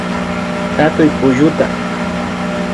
Hatuy pushtu